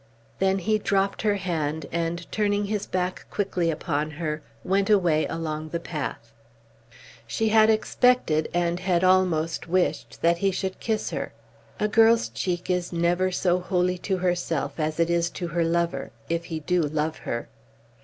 Then he dropped her hand, and turning his back quickly upon her, went away along the path. She had expected and had almost wished that he should kiss her. A girl's cheek is never so holy to herself as it is to her lover, if he do love her.